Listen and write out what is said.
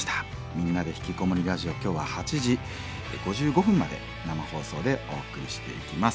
「みんなでひきこもりラジオ」今日は８時５５分まで生放送でお送りしていきます。